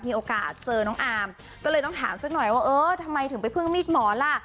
มีโอกาสเจอน้องอาร์มก็เลยต้องถามสักหน่อยว่าเออทำไมถึงไปพึ่งมีดหมอล่ะ